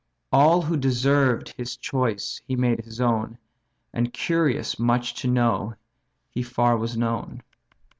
All who deserved his choice he made his own, And, curious much to know, he far was known."